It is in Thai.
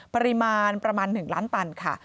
ปริมาณประมาณ๑ล้านตันค่ะ